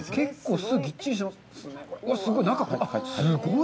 すごい。